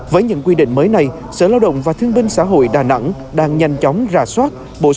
với những quy định mới này sở lao động và thương binh xã hội đà nẵng đang nhanh chóng ra soát